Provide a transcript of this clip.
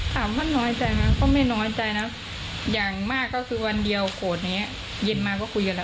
ถามว่าน้อยใจไหมก็ไม่น้อยใจนะอย่างมากก็คือวันเดียวโขดนี้เย็นมาก็คุยกันแล้ว